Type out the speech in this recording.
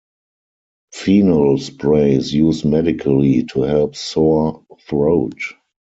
Phenol spray is used medically to help sore throat.